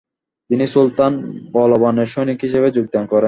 তিনি সুলতান বলবানের সৈনিক হিসেবে যোগদান করেন।